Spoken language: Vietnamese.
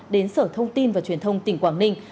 đến sở thông tin và truyền thông tỉnh quảng ninh